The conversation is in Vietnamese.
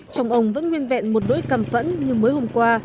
trong ông vẫn nguyên vẹn một đối cầm phẫn như mới hôm qua